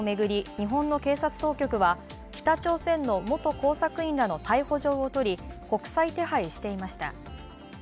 日本の警察当局は北朝鮮の元工作員らの逮捕状を取り国際手配していました。